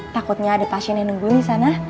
takutnya ada pasien yang nunggu disana